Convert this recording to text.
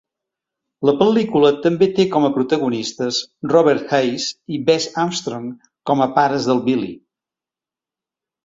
La pel·lícula també té com a protagonistes Robert Hays i Bess Armstrong com a pares del Billy.